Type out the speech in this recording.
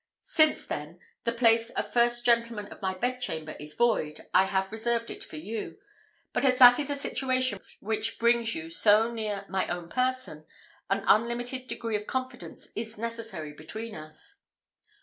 Since then, the place of first gentleman of my bedchamber is void, and I have reserved it for you; but as that is a situation which brings you so near my own person, an unlimited degree of confidence is necessary between us.